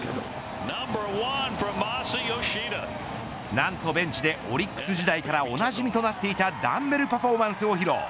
何と、ベンチでオリックス時代からおなじみとなっていたダンベルパフォーマンスを披露。